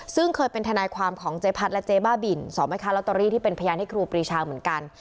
ซึ่งเคยเป็นทนายความของเจพัฒน์และเจบ้าบินสคลตรีที่เป็นพยานที่ครูปรีชาเหมือนกัน